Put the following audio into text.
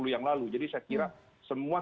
yang lalu jadi saya kira semua